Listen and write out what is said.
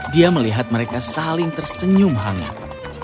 dia melihat mereka saling tersenyum hangat